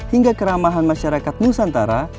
hingga keramahan masyarakat nusantara